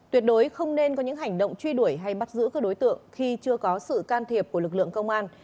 tuyệt đối không nên có những hành động truy đuổi hay bắt giữ các đối tượng khi chưa có sự can thiệp của lực lượng công an